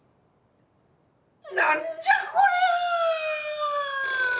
なんじゃこりゃ